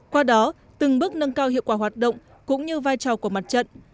qua đó từng bước nâng cao hiệu quả hoạt động cũng như vai trò của mặt trận